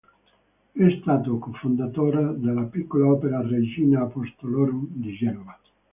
È stato cofondatore della Piccola Opera Regina Apostolorum di Genova.